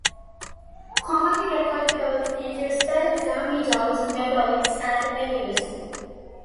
Commonly recorded alternative spellings are "Medows", "Meddowes" and "Medewes".